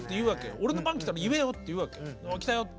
俺の番来たら言えよって言うわけ来たよって。